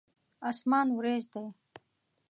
اسمان وريځ دی.